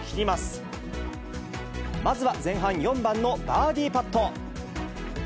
まずは前半４番のバーディーパット。